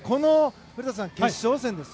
古田さん、決勝戦です。